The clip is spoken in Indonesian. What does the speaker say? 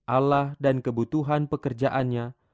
allah dan kebutuhan pekerjaannya